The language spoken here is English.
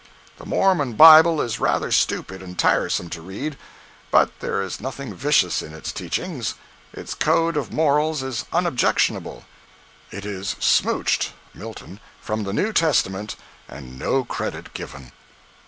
The Mormon Bible is rather stupid and tiresome to read, but there is nothing vicious in its teachings. Its code of morals is unobjectionable—it is "smouched" [Milton] from the New Testament and no credit given.